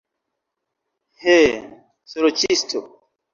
He, sorĉisto!